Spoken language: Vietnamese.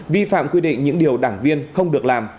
vi phạm quy định những điều đảng viên không được làm